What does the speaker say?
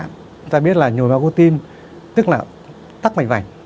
chúng ta biết là nhồi máu cơ tim tức là tắt mạch mạch